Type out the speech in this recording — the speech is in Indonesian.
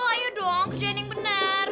ayo dong kerjain yang bener